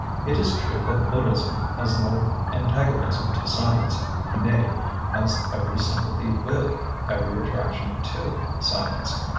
It is true that Buddhism has no antagonism to science nay, has every sympathy with, every attraction to, science.